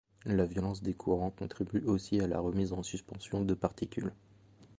La violence des courants contribue aussi à la remise en suspension de particules.